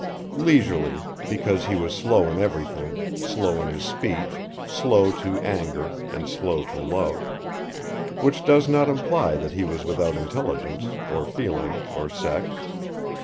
Leisurely ... because he was slow in everything, slow in his speech, slow to anger, and slow to love which does not imply that he was without intelligence or feeling or sex.